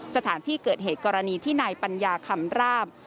สถานที่เกิดเหตุกรณีที่นายปัญญาคำราบ